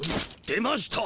出ました！